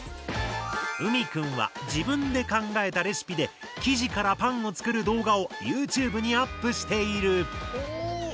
ＵＭＩくんは自分で考えたレシピで生地からパンを作る動画をＹｏｕＴｕｂｅにアップしている。